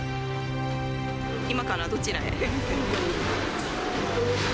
今からどちらへ？